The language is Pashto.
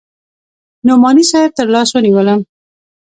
نعماني صاحب تر لاس ونيولم.